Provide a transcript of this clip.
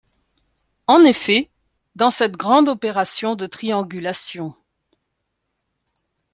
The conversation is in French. En effet, dans cette grande opération de triangulation.